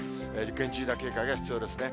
厳重な警戒が必要ですね。